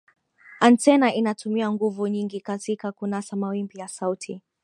antena inatumia nguvu nyingi katika kunasa mawimbi ya sauti